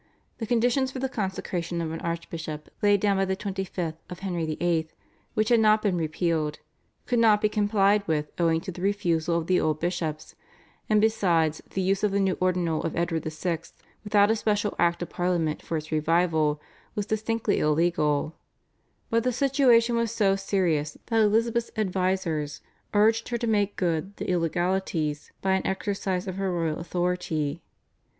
The conditions for the consecration of an archbishop laid down by the 25th of Henry VIII., which had not been repealed, could not be complied with owing to the refusal of the old bishops, and besides the use of the new Ordinal of Edward VI. without a special Act of Parliament for its revival was distinctly illegal; but the situation was so serious that Elizabeth's advisers urged her to make good the illegalities by an exercise of her royal authority.